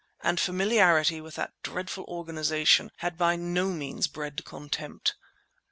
And familiarity with that dreadful organization had by no means bred contempt.